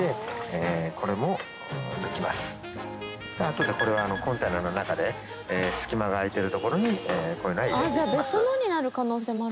後でこれはコンテナの中で隙間が空いてるところに入れていきます。